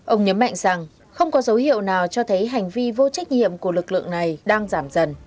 ông nhấn mạnh rằng không có dấu hiệu nào cho thấy hành vi vô trách nhiệm của lực lượng này đang giảm dần